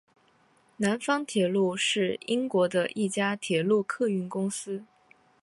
南方铁路是英国的一家铁路客运公司。